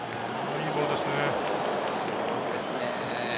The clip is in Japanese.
いいボールですね。